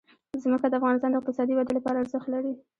ځمکه د افغانستان د اقتصادي ودې لپاره ارزښت لري.